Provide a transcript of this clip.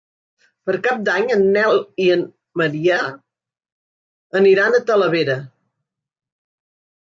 Per Cap d'Any en Nel i en Maria aniran a Talavera.